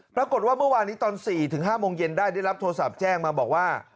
ปรากฏว่าเมื่อวานนี้ตอน๔๕โมงเย็นได้ได้รับโทรศัพท์แจ้งมาบอกว่า